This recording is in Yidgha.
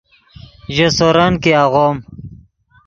ژے سورن کہ آغوم